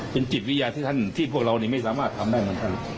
เป็นจิตวิญญาณที่ท่านที่พวกเราเนี่ยไม่สามารถทำได้กันท่าน